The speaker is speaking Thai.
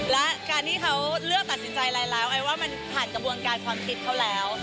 และการที่เขาเลือกตัดสินใจอะไรแล้วไอ้ว่ามันผ่านกระบวนการความคิดเขาแล้ว